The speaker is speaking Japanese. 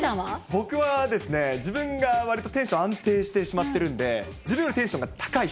僕はですね、自分がわりとテンション安定してしまっているんで、自分よりテンションが高い人。